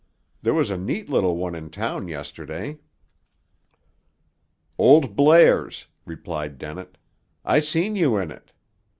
There was a neat little one in town yesterday." "Old Blair's," replied Dennett. "I seen you in it.